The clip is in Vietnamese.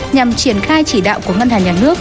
nhằm triển khai chỉ đạo của ngân hàng nhà nước